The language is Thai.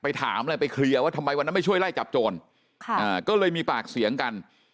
ถามอะไรไปเคลียร์ว่าทำไมวันนั้นไม่ช่วยไล่จับโจรก็เลยมีปากเสียงกัน